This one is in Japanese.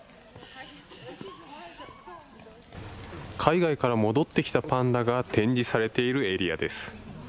海外から戻ってきたパンダが展示されているエリアです。